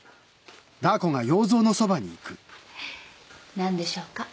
何でしょうか？